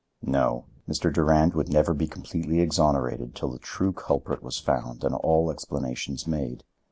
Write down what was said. No; Mr. Durand would never be completely exonerated till the true culprit was found and all explanations made.